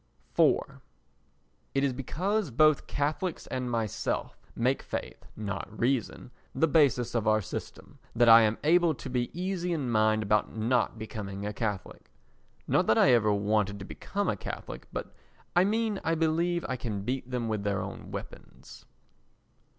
iv It is because both Catholics and myself make faith, not reason, the basis of our system that I am able to be easy in mind about not becoming a Catholic. Not that I ever wanted to become a Catholic, but I mean I believe I can beat them with their own weapons.